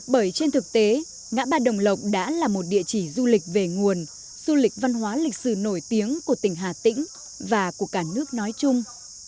bởi trên thực tế ngã ba đồng lộc đã là một địa chỉ du lịch về nguồn du lịch văn hóa lịch sử nổi tiếng của tỉnh hà tĩnh và của cả nước nói chung